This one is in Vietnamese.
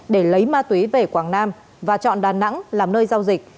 để lấy ma túy về quảng nam và chọn đà nẵng làm nơi giao dịch